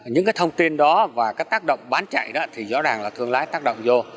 những cái thông tin đó và cái tác động bán chạy đó thì rõ ràng là thương lái tác động vô